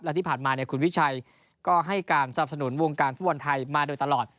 และที่ผ่านมาคุณวิชัยก็ให้การสนับสนุนวงการฟุตบอลไทยมาโดยตลอด